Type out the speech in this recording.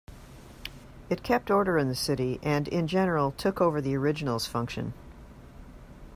It kept order in the city and in general took over the original's function.